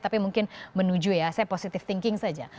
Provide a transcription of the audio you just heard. tapi mungkin menuju ya saya positive thinking saja